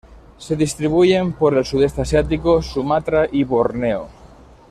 Se distribuyen por el sudeste asiático, Sumatra y Borneo.